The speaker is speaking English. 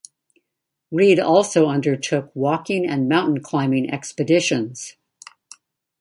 Reed also undertook walking and mountain-climbing expeditions.